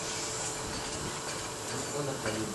Nimeona karibu